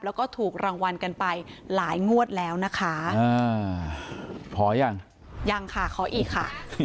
แล้วก็ถูกรางวัลกันไปหลายงวดแล้วนะคะอ่าพอยังยังค่ะขออีกค่ะ